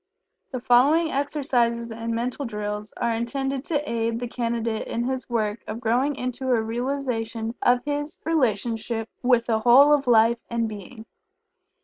The following exercises and Mental Drills are intended to aid the Candidate in his work of growing into a realization of his relationship with the Whole of Life and Being.